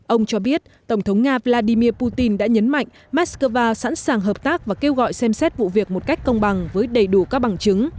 ông cho biết tổng thống nga vladimir putin đã nhấn mạnh moscow sẵn sàng hợp tác và kêu gọi xem xét vụ việc một cách công bằng với đầy đủ các bằng chứng